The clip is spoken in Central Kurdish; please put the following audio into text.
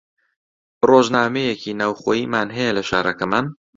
ڕۆژنامەیەکی ناوخۆییمان هەیە لە شارەکەمان